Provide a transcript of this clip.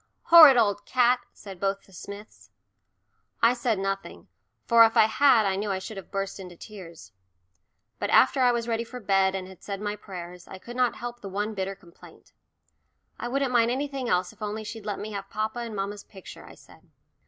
"Horrid old cat," said both the Smiths. I said nothing, for if I had I knew I should have burst into tears. But after I was ready for bed and had said my prayers, I could not help the one bitter complaint. "I wouldn't mind anything else if only she'd let me have papa and mamma's picture," I said.